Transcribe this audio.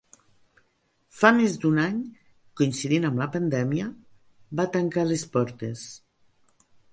Fa més d’un any, coincidint amb la pandèmia, va tancar les portes.